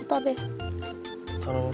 頼む。